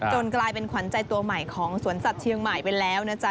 กลายเป็นขวัญใจตัวใหม่ของสวนสัตว์เชียงใหม่ไปแล้วนะจ๊